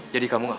jadi kamu gak mau